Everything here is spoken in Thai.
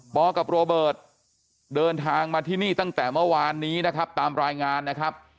กับโรเบิร์ตเดินทางมาที่นี่ตั้งแต่เมื่อวานนี้นะครับตามรายงานนะครับ